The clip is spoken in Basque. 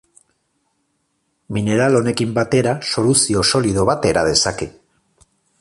Mineral honekin batera soluzio solido bat era dezake.